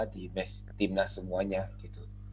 di timnas semuanya gitu